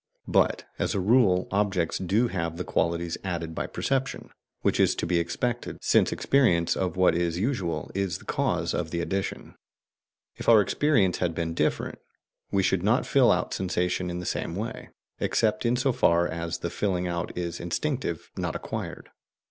But as a rule objects do have the qualities added by perception, which is to be expected, since experience of what is usual is the cause of the addition. If our experience had been different, we should not fill out sensation in the same way, except in so far as the filling out is instinctive, not acquired.